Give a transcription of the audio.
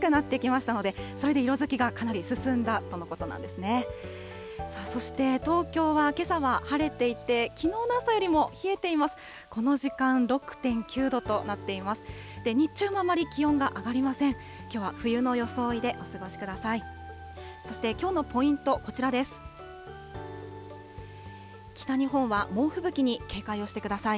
きょうは冬の装いでお過ごしください。